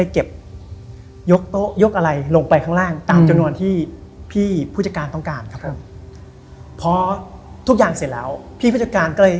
ก่อนทางเข้าเนี่ย